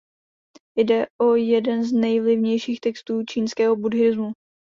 Jde o jeden z nejvlivnějších textů čínského buddhismu.